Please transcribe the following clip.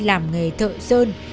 làm nghề thợ sơn